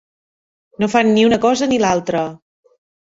No fan ni un cosa ni l'altra.